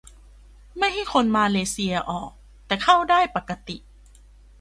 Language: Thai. - ไม่ให้คนมาเลเซียออก แต่เข้าได้ปกติ